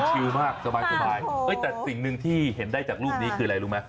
ชิวมากสบายแต่สิ่งหนึ่งที่เห็นได้จากรูปนี้คืออะไรรู้ไหม